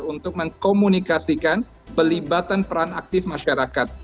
yang bisa mengkomunikasikan pelibatan peran aktif masyarakat